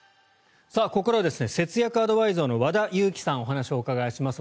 ここからは節約アドバイザーの和田由貴さんにお話を伺います。